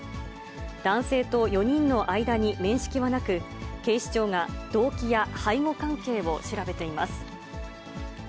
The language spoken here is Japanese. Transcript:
男性と４人の間に面識はなく、警視庁が動機や背後関係を調べています。